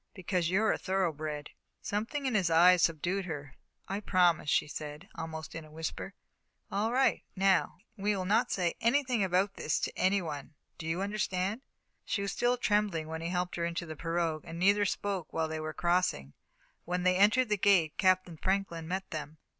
"Because you're a thoroughbred." Something in his eyes subdued her. "I promise," she said, almost in a whisper. "All right. Now, we'll not say anything about this to any one do you understand?" She was still trembling when he helped her into the pirogue, and neither spoke while they were crossing. When they entered the gate, Captain Franklin met them.